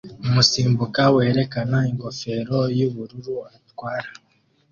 Umusimbuka werekana ingofero yubururu atwara